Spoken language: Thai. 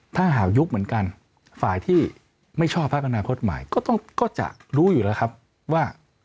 ถ้าหายุบเหมือนกันฝ่ายที่ไม่ชอบพักอาณาคตหมายก็จะรู้อยู่แล้วครับว่า